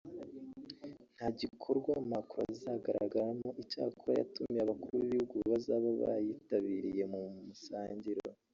nta gikorwa Macron azagaragaramo icyakora yatumiye abakuru b’ibihugu bazaba bayitabiriye mu musangiro